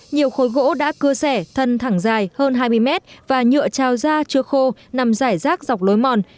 nhiều khối gỗ đã cưa xẻ thân thẳng dài hơn hai mươi mét và nhựa trao ra chưa khô nằm rải rác dọc lối mòn